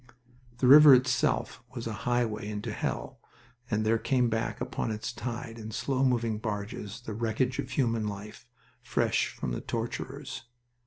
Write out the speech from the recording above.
The river itself was a highway into hell, and there came back upon its tide in slow moving barges the wreckage of human life, fresh from the torturers.